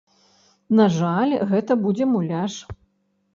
На жаль, гэта будзе муляж.